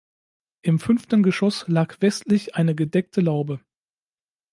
Im fünften Geschoss lag westlich eine gedeckte Laube.